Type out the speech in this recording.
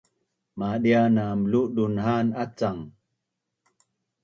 madia nam ludun ha’an acang